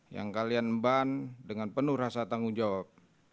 yang kalian ban dengan penuh rasa tanggung jawab